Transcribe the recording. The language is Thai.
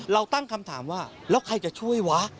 ตั้งคำถามว่าแล้วใครจะช่วยวะ